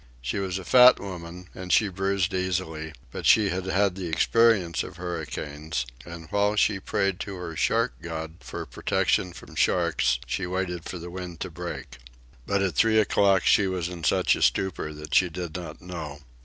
She was a fat woman, and she bruised easily; but she had had experience of hurricanes, and while she prayed to her shark god for protection from sharks, she waited for the wind to break. But at three o'clock she was in such a stupor that she did not know.